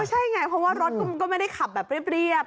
ใช่ไงเพราะว่ารถมันก็ไม่ได้ขับแบบเรียบ